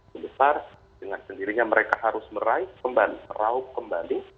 sebesar dengan sendirinya mereka harus meraih kembali rauh kembali